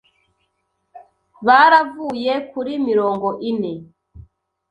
baravuye kuri mirongo ine